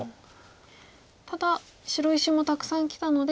ただ白石もたくさんきたので。